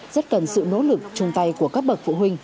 rất cần sự nỗ lực chung tay của các bậc phụ huynh